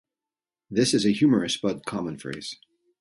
This is a humorous but common phrase.